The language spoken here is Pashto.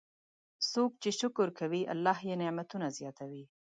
څوک چې شکر کوي، الله یې نعمتونه زیاتوي.